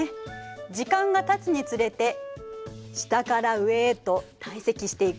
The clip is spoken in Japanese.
時間がたつにつれて下から上へと堆積していく。